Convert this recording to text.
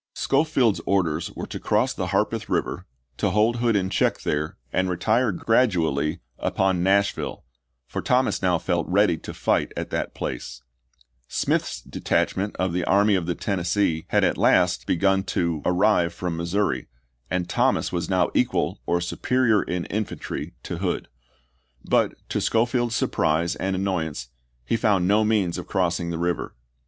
Schofield's orders were to cross the Harpeth Eiver, to hold Hood in check there, and retire gradually upon Nashville, for Thomas now felt ready to fight at that place. Smith's detachment of the Army of the Tennessee had at last begun to 14 ABRAHAM LINCOLN FKANKLIN AND NASHVILLE 15 '<*% 16 ABKAHAM LINCOLN chap. i. arrive from Missouri, and Thomas was now equal or superior in infantry to Hood. But, to Schofield's surprise and annoyance, he found no means of Nov.3o,i864. crossing the river.